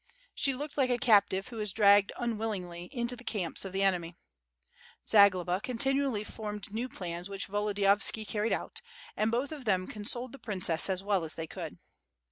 She looked like a captive who is dragged unwillingly into the camps of the enemy. Zagloba con tinually formed new plans which Volodiyovski carried out, and both of them consoled the princess as well as they could.